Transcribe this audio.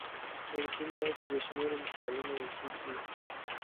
ممکن داسې بې شمېره مثالونه موجود وي.